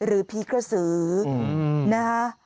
หรือพีคสือนะ